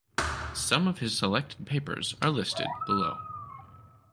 Some of his selected papers are listed below.